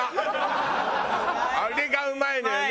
あれがうまいのよね。